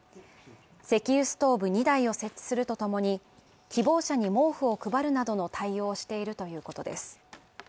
石油ストーブ２台を設置するとともに、希望者に毛布を配るなどの対応をしているということです。